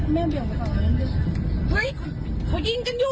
ไม่รู้